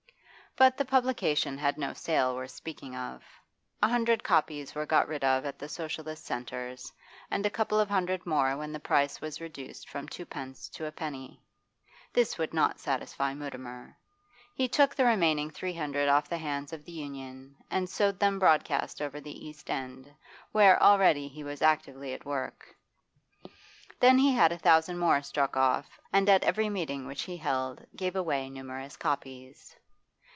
But the publication had no sale worth speaking of. A hundred copies were got rid of at the Socialist centres, and a couple of hundred more when the price was reduced from twopence to a penny. This would not satisfy Mutimer. He took the remaining three hundred off the hands of the Union and sowed them broadcast over the East End, where already he was actively at work. Then he had a thousand more struck off, and at every meeting which he held gave away numerous copies.